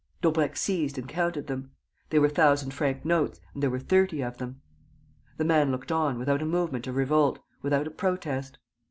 Daubrecq seized and counted them. They were thousand franc notes, and there were thirty of them. The man looked on, without a movement of revolt, without a protest.